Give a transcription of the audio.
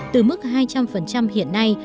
từ mức hai trăm linh hiện nay